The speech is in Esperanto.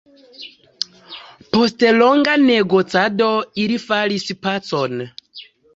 Post longa negocado ili faris pacon.